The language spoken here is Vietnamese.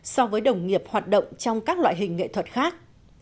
so với đồng nghiệp hoạt động trong các loại hình nghệ thuật khác